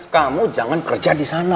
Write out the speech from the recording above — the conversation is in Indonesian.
kamu jangan kerja disana